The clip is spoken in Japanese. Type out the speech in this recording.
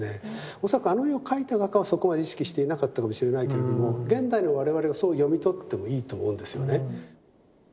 恐らくあの絵を描いた画家はそこまで意識していなかったかもしれないけれども現代の我々がそう読み取ってもいいと思うんですよね。